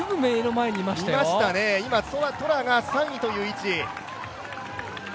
今、トラが３位という位置。